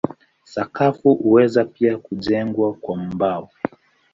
Sakafu huweza pia kujengwa kwa mbao.